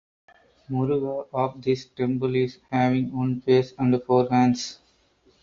Muruga of this temple is having one face and four hands.